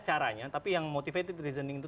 caranya tapi yang motivated reasoning itu